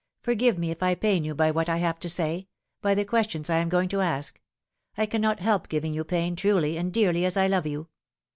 " Forgive me if I pain you by what I have to say by the questions I am going to ask. I cannot help giving you pain, truly and dearly as I love you.